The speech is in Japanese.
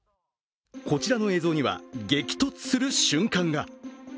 こちらの映像には激突する瞬間が。